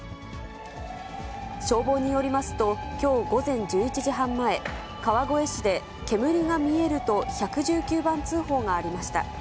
消防によりますと、きょう午前１１時半前、川越市で煙が見えると、１１９番通報がありました。